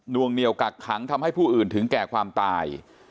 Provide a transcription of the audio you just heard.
วงเหนียวกักขังทำให้ผู้อื่นถึงแก่ความตาย